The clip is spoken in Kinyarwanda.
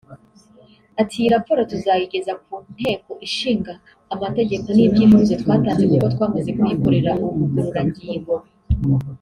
ati “Iyi raporo tuzayigeza ku Nteko Ishinga Amategeko n’ibyifuzo twatanze kuko twamaze kuyikorera ubugororangingo